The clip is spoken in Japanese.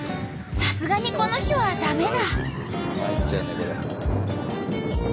さすがにこの日は駄目だ。